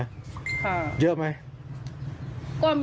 ค่ะเยอะไหม